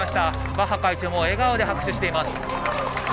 バッハ会長も笑顔で拍手しています。